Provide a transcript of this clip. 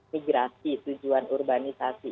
migrasi tujuan urbanisasi